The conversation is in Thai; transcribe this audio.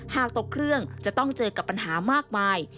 หากตกเครื่องจะต้องเจอกับปัญหามากมาย